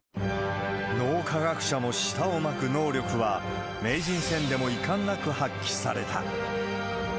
脳科学者も舌を巻く能力は、名人戦でもいかんなく発揮された。